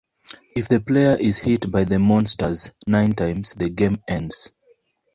If the player is hit by the monsters nine times, the game ends.